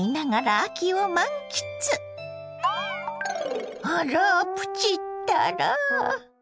あらプチったら。